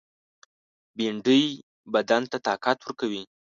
بېنډۍ بدن ته طاقت ورکوي